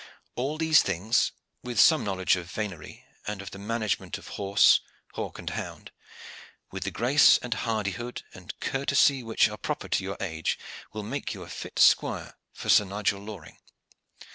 All these things, with some knowledge of venerie, and of the management of horse, hawk and hound, with the grace and hardihood and courtesy which are proper to your age, will make you a fit squire for Sir Nigel Loring."